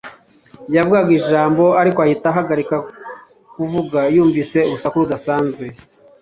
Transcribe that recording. Yavugaga ijambo, ariko ahita ahagarika kuvuga yumvise urusaku rudasanzwe